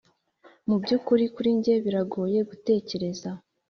mubyukuri, kuri njye biragoye gutekereza,